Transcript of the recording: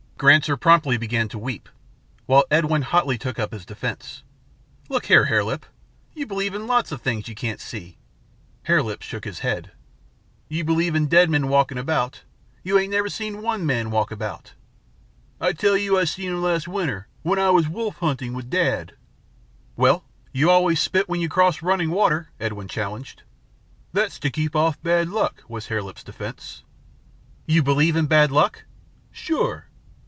Granser promptly began to weep, while Edwin hotly took up his defence. "Look here, Hare Lip, you believe in lots of things you can't see." Hare Lip shook his head. "You believe in dead men walking about. You never seen one dead man walk about." "I tell you I seen 'em, last winter, when I was wolf hunting with dad." "Well, you always spit when you cross running water," Edwin challenged. "That's to keep off bad luck," was Hare Lip's defence. "You believe in bad luck?" "Sure."